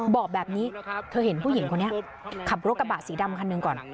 บอกแบบนี้เธอเห็นผู้หญิงคนนี้ขับรถกระบะสีดำคันหนึ่งก่อน